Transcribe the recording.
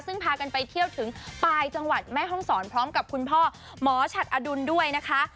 ซึ่งพากันไปเที่ยวถึงปลายจังหวัดแม่ห้องศรพร้อมกับคุณพ่อหมอฉัดอดุลด้วยนะคะ